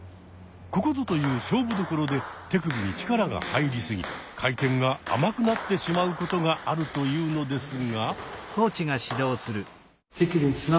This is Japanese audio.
ここぞという勝負どころで手首に力が入りすぎ回転が甘くなってしまうことがあるというのですが。